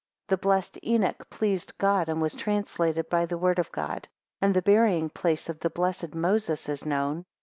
The blessed Enoch pleased God, and was translated by the word of God; and the burying place of the blessed Moses is known.